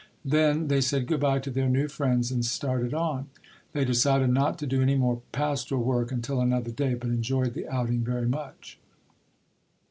Then they said goodbye to their new friends and started on. They decided not to do any more pastoral work until another day, but enjoyed the outing very much.